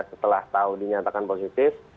setelah tau dinyatakan positif